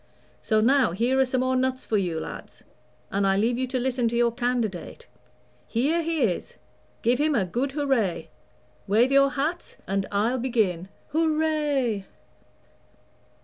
So now here are some more nuts for you, lads, and I leave you to listen to your candidate. Here he is give him a good hurray; wave your hats, and I'll begin. Hurray!"